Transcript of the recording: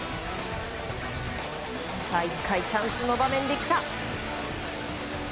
１回、チャンスの場面で、来た。